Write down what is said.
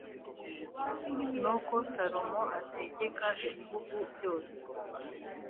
Nuko Salomo ategeka ibihugu byose